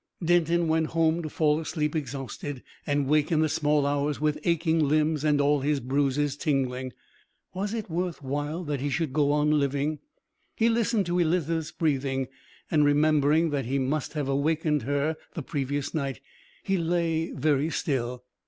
Denton went home, to fall asleep exhausted and wake in the small hours with aching limbs and all his bruises tingling. Was it worth while that he should go on living? He listened to Elizabeth's breathing, and remembering that he must have awaked her the previous night, he lay very still.